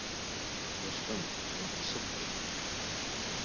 do‘stim o‘zini osib qo‘ydi.